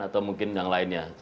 atau mungkin yang lainnya